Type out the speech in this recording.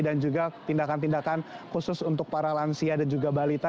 dan juga tindakan tindakan khusus untuk para lansia dan juga balita